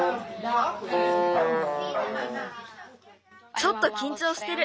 ちょっときんちょうしてる。